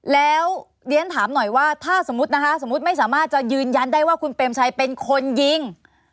แล้วเรียนถามหน่อยว่าถ้าสมมุตินะคะสมมุติไม่สามารถจะยืนยันได้ว่าคุณเปรมชัยเป็นคนยิง